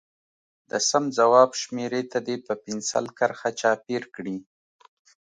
د سم ځواب شمیرې ته دې په پنسل کرښه چاپېر کړي.